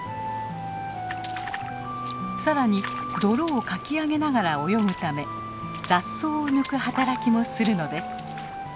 更に泥をかき上げながら泳ぐため雑草を抜く働きもするのです。